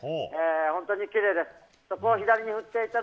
本当にきれいです。